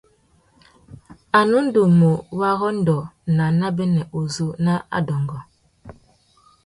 A nu ndú mú warrôndô nà nêbênê uzu nà adôngô.